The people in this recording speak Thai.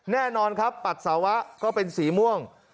แน่นอนครับปัสสาวะก็เป็นสีม่วง